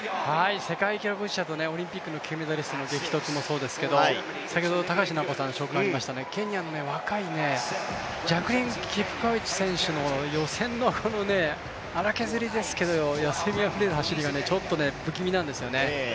世界記録保持者とオリンピックの金メダリストの激突もそうですけど、先ほど高橋尚子さんの紹介がありました、ケニアの若いジャックリーン・チェプコエチの予選の荒削りですけど、野性味あふれる走りがちょっと不気味なんですよね。